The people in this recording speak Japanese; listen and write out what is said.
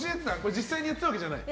実際にやってたわけではない？